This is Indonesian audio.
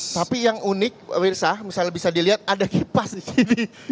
tapi yang unik wersa misalnya bisa dilihat ada kipas disini